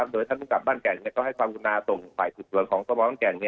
โดยท่านมุ่งกลับบ้านแก่งให้ความวุนาตรงฝ่ายสืบสวนของสฝแก่ง